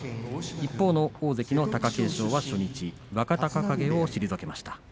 一方の大関の貴景勝は初日、若隆景を退けました。